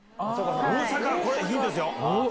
これヒントですよ。